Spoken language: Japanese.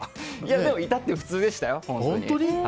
でも至って普通でしたよ。